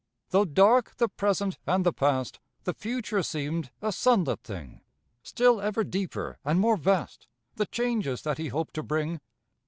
Though dark the present and the past, The future seemed a sunlit thing. Still ever deeper and more vast, The changes that he hoped to bring.